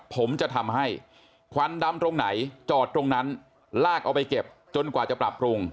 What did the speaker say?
ผมจะทำให้ควันดำตรงไหนจอดตรงนั้นลากเอาไปเก็บจนกว่าจะปรับปรุง